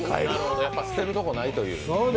捨てるとこないという。